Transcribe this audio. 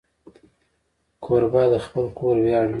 کوربه د خپل کور ویاړ وي.